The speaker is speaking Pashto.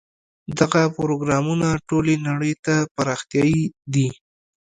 دغه پروګرامونه ټولې نړۍ ته پراختیايي دي.